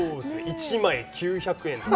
１枚９００円とか。